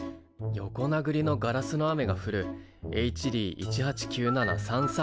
横なぐりのガラスの雨が降るＨＤ１８９７３３ｂだな。